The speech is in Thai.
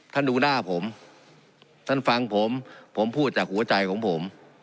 ท่านดูหน้าผมท่านฟังผมผมพูดจากหัวใจของผม